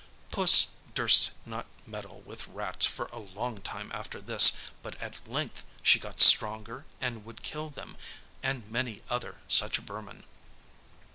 Puss durst not meddle with rats for a long time after this, but at length she got stronger and would kill them and many other such vermin.